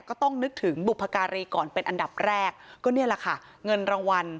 ก็ต้องนึกถึงบุพการีก่อนเป็นอันดับแรกก็นี่แหละค่ะเงินรางวัล